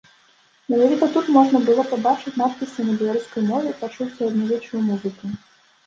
Менавіта тут можна было пабачыць надпісы на беларускай мове, пачуць сярэднявечную музыку.